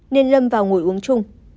nên lâm vào ngồi uống chung